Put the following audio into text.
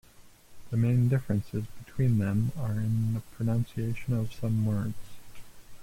The main differences between them are in the pronunciation of some words.